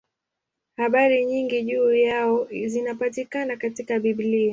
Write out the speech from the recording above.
Habari nyingi juu yao zinapatikana katika Biblia.